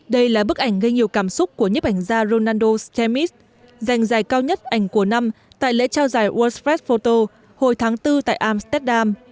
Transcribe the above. đây là bức ảnh gây nhiều cảm xúc của nhếp ảnh gia ronaldo stemis dành dài cao nhất ảnh của năm tại lễ trao giải world s first photo hồi tháng bốn tại amsterdam